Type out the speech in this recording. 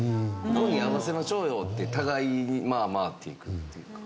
合わせましょうよって互いにまあまあっていくっていうか。